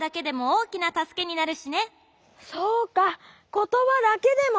ことばだけでも。